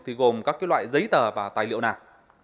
thì gồm các loại giấy tờ và tài liệu nào